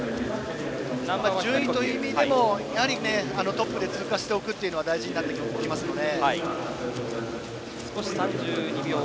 順位という意味でもやはりトップで通過しておくのは大事になってきますので。